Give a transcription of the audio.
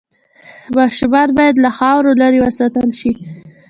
ماشومان باید له خاورو لرې وساتل شي۔